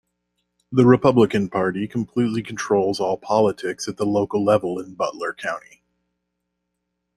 The Republican Party completely controls all politics at the local level in Butler County.